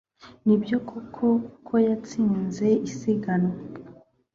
Nibyo koko ko yatsinze isiganwa